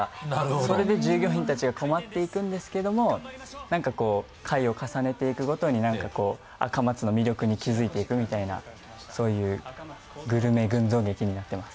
それで従業員たちが困っていくんですけれども、回を重ねていくごとに、赤松の魅力に気づいていくというグルメ群像劇となっています。